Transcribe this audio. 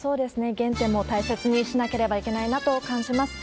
原点も大切にしなければいけないなと感じます。